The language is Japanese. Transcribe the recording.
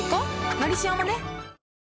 「のりしお」もね